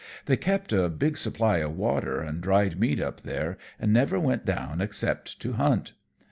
They kept a big supply of water and dried meat up there, and never went down except to hunt.